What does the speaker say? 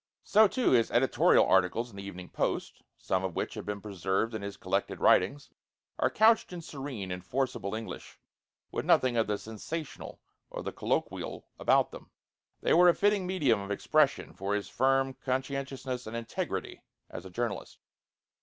So too his editorial articles in the Evening Post, some of which have been preserved in his collected writings, are couched in serene and forcible English, with nothing of the sensational or the colloquial about them. They were a fitting medium of expression for his firm conscientiousness and integrity as a journalist.